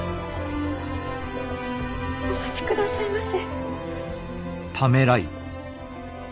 お待ちくださいませ。